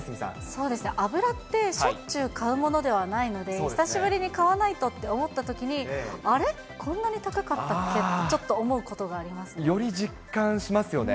そうですね、油ってしょっちゅう買うものではないので、久しぶりに買わないとって思ったときに、あれ、こんなに高かったっけって、ちょっと思より実感しますよね。